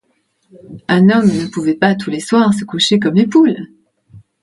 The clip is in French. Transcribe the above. Un homme ne pouvait pas, tous les soirs, se coucher comme les poules.